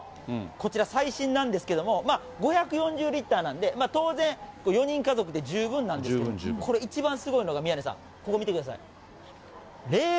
こちら、最新なんですけども、５４０リッターなんで、当然４人家族で十分なんですけど、これ、一番すごいのが宮根さん、ここ見てください。